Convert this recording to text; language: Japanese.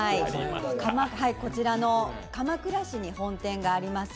こちら、鎌倉市に本店があります